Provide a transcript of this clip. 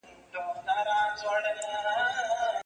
تر تا د مخه ما پر ایښي دي لاسونه